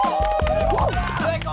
susar cepetan susar